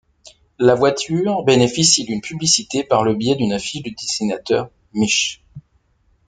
La voiture bénéficie d'une publicité par le biais d'une affiche du dessinateur Mich.